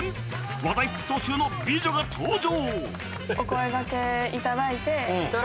話題沸騰中の美女が登場。